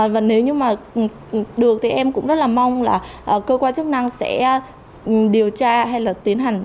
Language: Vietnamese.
và nếu như mà được thì em cũng rất là mong là cơ quan chức năng sẽ điều tra hay là tiến hành